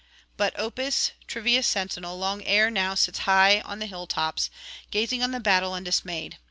But Opis, Trivia's sentinel, long ere now sits high on the hill tops, gazing on the battle undismayed.